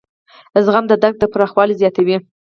زغم د درک پراخوالی زیاتوي.